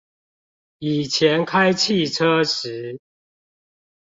以前開汽車時